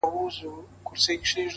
هر څوک د پیښي خپل تفسير وړاندي کوي،